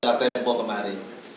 sosialisasi tempol kemarin